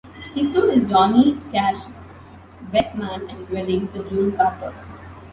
He stood as Johnny Cash's best man at his wedding to June Carter.